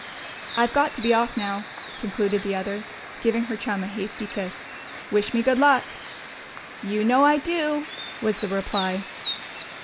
"I've got to be off now," concluded the other, giving her chum a hasty kiss. "Wish me good luck!" "You know I do!" was the reply.